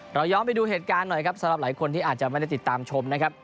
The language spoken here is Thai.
เราย้อนไปดูเหตุการณ์สำหรับหลายคนที่อาจจะไม่ได้ติดตามชม